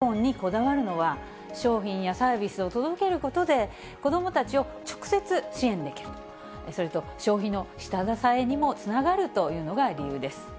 政府がクーポンにこだわるのは、商品やサービスを届けることで、子どもたちを直接支援できる、それと消費の下支えにもつながるというのが理由です。